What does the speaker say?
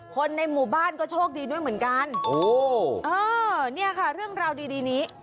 คนในหมู่บ้านก็โชคดีด้วยเหมือนกันโอ้เออเนี่ยค่ะเรื่องราวดีดีนี้